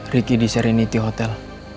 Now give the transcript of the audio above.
riki di serenity hotel